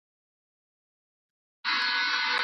د نرمغالو په مابينځ کي مي ډېر نوي شیان پیدا کړل.